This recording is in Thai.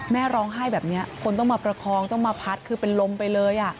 แม่ร้องไห้แบบนี้คนต้องมาประคองต้องมาพัดคือเป็นลมไปเลย